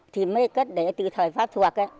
thì mới cất để từ thời pháp thuộc